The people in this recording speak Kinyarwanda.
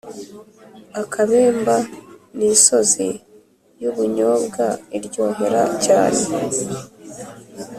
Akabemba ni isozi yubunyobwa iryohera cyane